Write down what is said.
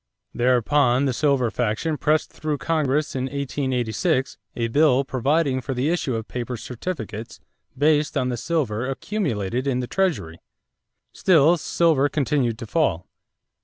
Thereupon the silver faction pressed through Congress in 1886 a bill providing for the issue of paper certificates based on the silver accumulated in the Treasury. Still silver continued to fall.